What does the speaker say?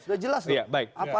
sudah jelas loh